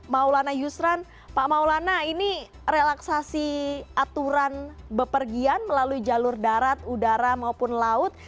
maulana yusran pak maulana ini relaksasi aturan bepergian melalui jalur darat udara maupun laut